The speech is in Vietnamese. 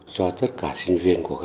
cho tất cả sinh viên của họ